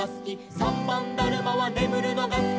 「さんばんだるまはねむるのがすき」